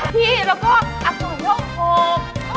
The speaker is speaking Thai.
พี่แล้วก็อักษรยอดโคม